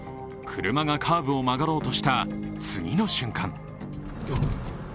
車がカーブを曲がろうとした次の瞬間。